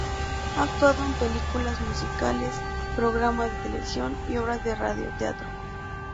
Ha actuado en películas, musicales, programas de televisión y obras de radioteatro.